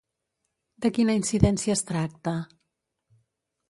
De quina incidència es tracta?